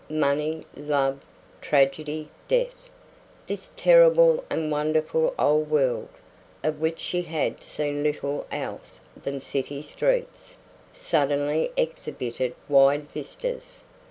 Money, love, tragedy, death! This terrible and wonderful old world, of which she had seen little else than city streets, suddenly exhibited wide vistas.